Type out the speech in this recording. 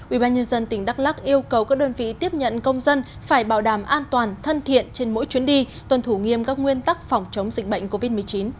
ubnd tỉnh đắk lắc yêu cầu các đơn vị tiếp nhận công dân phải bảo đảm an toàn thân thiện trên mỗi chuyến đi tuân thủ nghiêm các nguyên tắc phòng chống dịch bệnh covid một mươi chín